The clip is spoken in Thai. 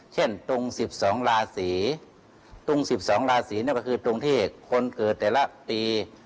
เช่นตรง๑๒๑๔ตรง๑๒๑๔นี้ก็คือตรงที่คนเกิดแต่ละปี